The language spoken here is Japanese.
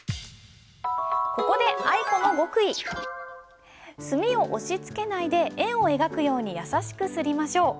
ここで墨を押しつけないで円を描くように優しく磨りましょう。